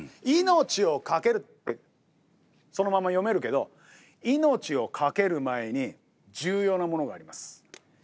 命を懸けるってそのまま読めるけど命を懸ける前に重要なものがあります。